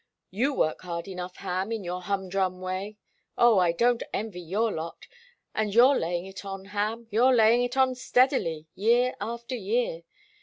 You work hard enough, Ham, in your humdrum way oh, I don't envy your lot! and you're laying it on, Ham, you're laying it on steadily, year after year.